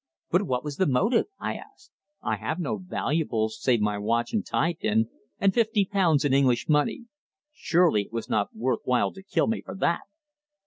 "But what was the motive?" I asked. "I have no valuables, save my watch and tie pin, and fifty pounds in English money. Surely it was not worth while to kill me for that!"